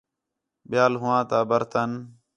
ٻِیال ہوآں تا برتن